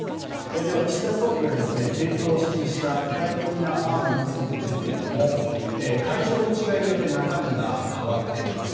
では、岸田総理が検討を指示した具体的な案についてですが対象の違いによって中身が変わってきます。